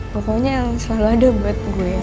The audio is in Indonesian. pokoknya yang selalu ada buat gue